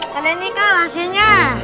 kalian nih kak hasilnya